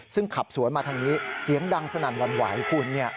ซึ่งขับสวนมาทางนี้เสียงดังสนั่นวันไหวคุณ